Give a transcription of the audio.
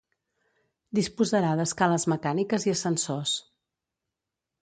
Disposarà d'escales mecàniques i ascensors.